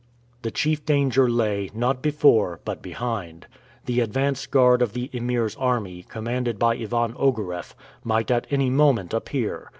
The chief danger lay, not before, but behind. The advance guard of the Emir's army, commanded by Ivan Ogareff, might at any moment appear.